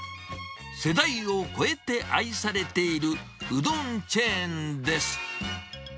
世代を超えて愛されているうどんチェーンです。